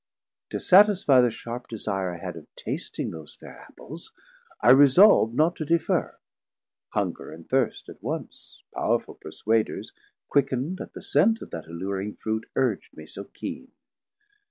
To satisfie the sharp desire I had Of tasting those fair Apples, I resolv'd Not to deferr; hunger and thirst at once, Powerful perswaders, quick'nd at the scent Of that alluring fruit, urg'd me so keene.